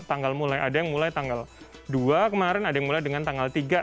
tanggal mulai ada yang mulai tanggal dua kemarin ada yang mulai dengan tanggal tiga